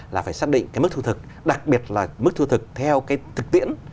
là phải xác định cái mức thu thực đặc biệt là mức thu thực theo cái thực tiễn